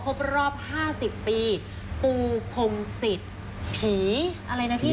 ครบรอบ๕๐ปีปูพงศิษย์ผีอะไรนะพี่